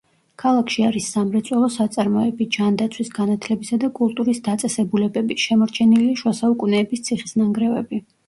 ქალაქში არის სამრეწველო საწარმოები, ჯანდაცვის, განათლებისა და კულტურის დაწესებულებები, შემორჩენილია შუა საუკუნეების ციხის ნანგრევები.